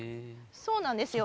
そうなんですよ。